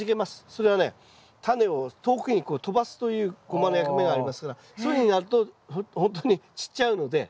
それはねタネを遠くに飛ばすというゴマの役目がありますからそういうふうになるとほんとに散っちゃうので。